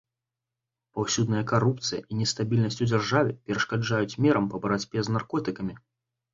Паўсюдная карупцыя і нестабільнасць у дзяржаве перашкаджаюць мерам па барацьбе з наркотыкамі.